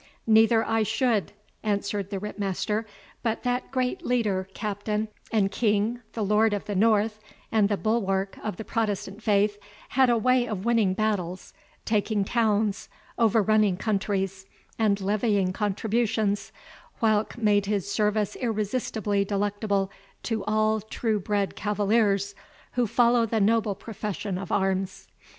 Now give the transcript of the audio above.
"Neither I should," answered the Ritt master; "but that great leader, captain, and king, the Lion of the North, and the bulwark of the Protestant faith, had a way of winning battles, taking towns, over running countries, and levying contributions, whilk made his service irresistibly delectable to all true bred cavaliers who follow the noble profession of arms.